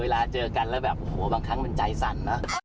เวลาเจอกันแล้วบางครั้งมันใจสั่น